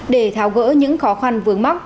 để tháo gỡ những khó khăn vướng mắc